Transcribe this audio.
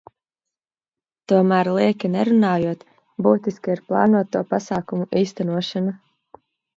Tomēr, lieki nerunājot, būtiska ir plānoto pasākumu īstenošana.